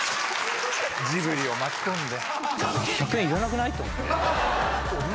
ジブリを巻き込んで。